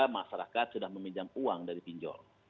masyarakat sudah meminjam uang dari pinjol